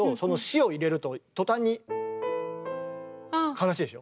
悲しいでしょ。